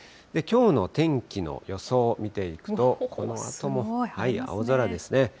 きょうの天気の予想、見ていくと、このあとも、青空ですね。